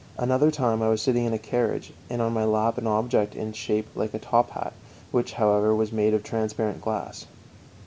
Another time I was sitting in a carriage, and on my lap an object in shape like a top hat, which, however, was made of transparent glass.